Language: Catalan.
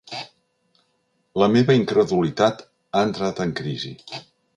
La meva incredulitat ha entrat en crisi.